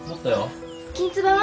きんつばは？